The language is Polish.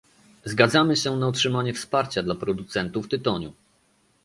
Zgadzamy się na utrzymanie wsparcia dla producentów tytoniu